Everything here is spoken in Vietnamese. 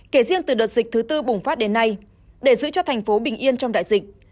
kể riêng từ đợt dịch thứ tư bùng phát đến nay để giữ cho thành phố bình yên trong đại dịch